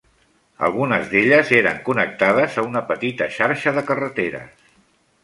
Algunes d'elles eren connectades a una petita xarxa de carreteres.